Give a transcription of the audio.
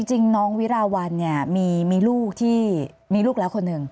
จริงน้องวิราวัลเนี่ยมีลูกที่มีลูกแล้วคนหนึ่ง